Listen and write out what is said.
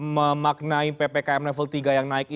memaknai ppkm level tiga yang naik ini